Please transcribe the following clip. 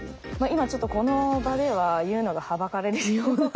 今ちょっとこの場では言うのがはばかられるような。